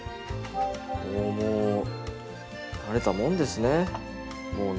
おおもう慣れたもんですね！